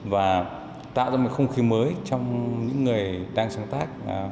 và tạo ra một không khí mới trong những người đang sáng tác